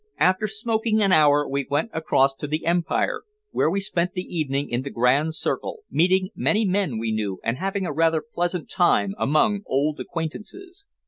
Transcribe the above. After smoking an hour we went across to the Empire, where we spent the evening in the grand circle, meeting many men we knew and having a rather pleasant time among old acquaintances.